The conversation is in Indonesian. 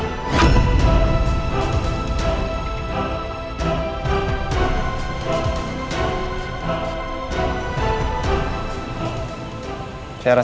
rumahbia gue terus bercrates